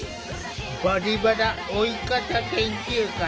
「バリバラ老い方研究会」